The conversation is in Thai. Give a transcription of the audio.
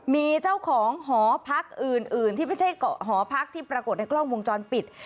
มีเจ้าของหอพักอื่นที่ไม่ใช่เกาะหอพักที่ปรากฏในกล้องวงจรปิด